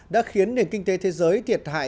đã khiến nền kinh tế thế giới thiệt hại